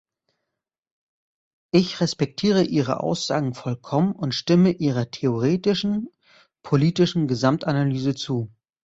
Ich respektiere Ihre Aussagen vollkommen und stimme Ihrer theoretischen, politischen Gesamtanalyse zu.